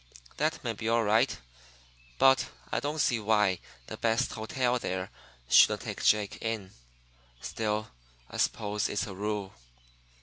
That may be all right; but I don't see why the best hotel there shouldn't take Jake in. Still, I suppose it's a rule.